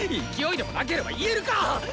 勢いでもなければ言えるか！